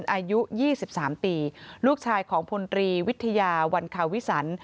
อายุ๒๓ปีลูกชายของพลตรีวิทยาวันคาวิสัน